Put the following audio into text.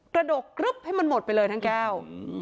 กระดกให้มันหมดไปเลยด้านแก้ว